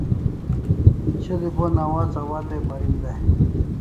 shel'i bo nawats awatai parin day